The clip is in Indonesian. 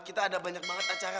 kita ada banyak banget acara